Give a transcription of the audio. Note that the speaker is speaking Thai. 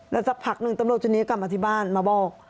แล้วสักพักหนึ่งตำรวจชุดนี้กลับมาที่บ้านมาบอก